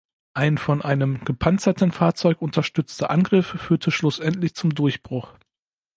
Ein von einem gepanzerten Fahrzeug unterstützter Angriff führte schlussendlich zum Durchbruch.